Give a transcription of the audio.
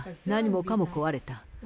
何もかも壊れた。